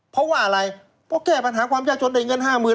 เพราะแก้ปัญหาความยากจนได้เงิน๕หมื่น